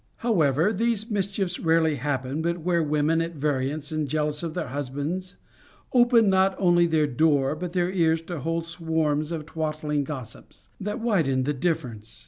t However, these mischiefs rarely happen but where women at variance and jealous of their husbands open not only their door but their ears to whole swarms of twattling gos sips, that widen the difference.